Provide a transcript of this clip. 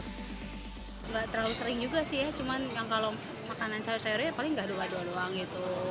tidak terlalu sering juga sih ya cuma kalau makanan sayur sayurnya paling gado gado doang gitu